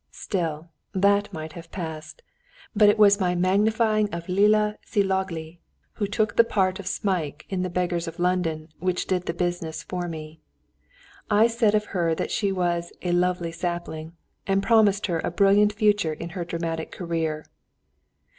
Still, that might have passed. But it was my magnifying of Lilla Szilágyi who took the part of Smike in the Beggars of London which did the business for me. I said of her that she was "a lovely sapling!" and promised her a brilliant future in her dramatic career.